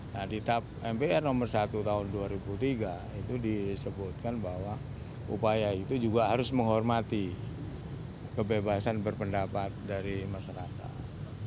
nah di tap mpr nomor satu tahun dua ribu tiga itu disebutkan bahwa upaya itu juga harus menghormati kebebasan berpendapat dari masyarakat